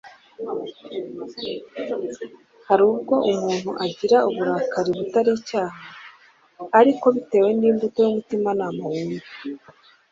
Hari ubwo umuntu agira uburakari butari icyaha, ariko bitewe n'imbuto y'umutImanama wumva,